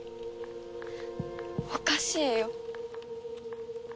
おかしいよ。